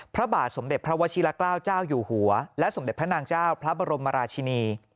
พระบาทสมเด็จพระวชิละเกล้าเจ้าอยู่หัวและสมเด็จพระนางเจ้าพระบรมราชินี